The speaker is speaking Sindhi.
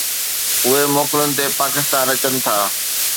اهي موڪلن تي پاڪستان اچن ٿا.